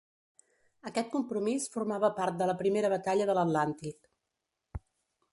Aquest compromís formava part de la primera batalla de l'Atlàntic.